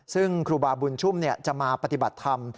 ซึ่งครูบาบุญชุมจะมาปฏิบัติธรรม